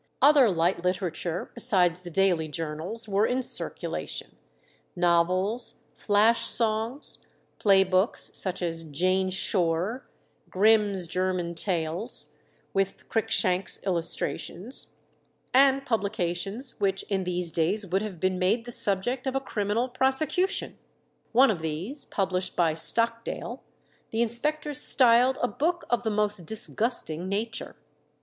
Other light literature besides the daily journals were in circulation: novels, flash songs, play books, such as 'Jane Shore,' 'Grimm's German Tales,' with Cruikshank's illustrations, and publications which in these days would have been made the subject of a criminal prosecution. One of these, published by Stockdale, the inspectors styled "a book of the most disgusting nature."